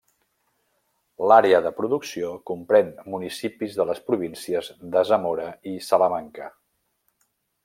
L'àrea de producció comprén municipis de les províncies de Zamora i Salamanca.